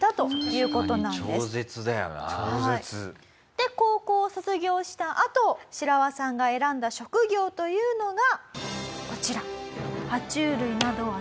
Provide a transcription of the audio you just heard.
で高校を卒業したあとシラワさんが選んだ職業というのがこちら。